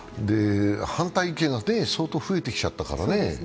反対意見が相当増えてきちゃったからね。